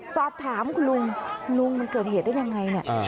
สอบถามคุณลุงลุงมันเกิดเหตุได้ยังไงเนี่ย